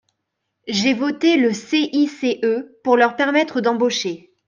J’ai voté le CICE pour leur permettre d’embaucher.